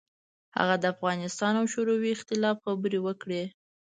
هغه د افغانستان او شوروي اختلاف خبرې وکړې.